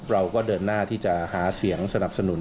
เราก็เดินหน้าที่จะหาเสียงสนับสนุน